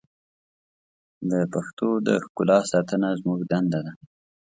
د پښتو د ښکلا ساتنه زموږ دنده ده.